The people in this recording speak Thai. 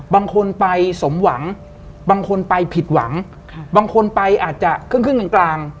บางคนไปสมหวังบางคนไปผิดหวังบางคนไปอาจจะครึ่งครึ่งกลาง